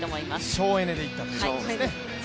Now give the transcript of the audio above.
省エネでいったということですね。